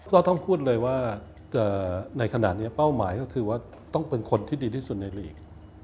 ก็ต้องพูดเลยว่าในขณะนี้เป้าหมายก็คือว่าต้องเป็นคนที่ดีที่สุดในลีก